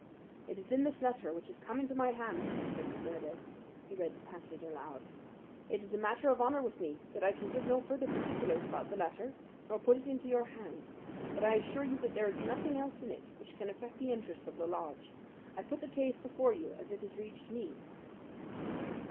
"It is in this letter which has come into my hands," said McMurdo. He read the passage aloud. "It is a matter of honour with me that I can give no further particulars about the letter, nor put it into your hands; but I assure you that there is nothing else in it which can affect the interests of the lodge. I put the case before you as it has reached me."